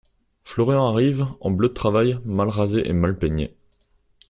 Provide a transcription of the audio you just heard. Florian arrive, en bleu de travail, mal rasé et mal peigné.